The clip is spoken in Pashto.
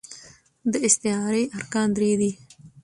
د استعارې ارکان درې دي.